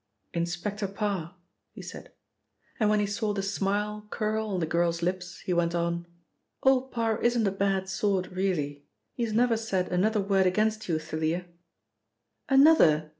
"Inspector Parr," he said, and when he saw the smile curl on the girl's lips, he went on: "Old Parr isn't a bad sort, really. He has never said another word against you, Thalia." "Another!"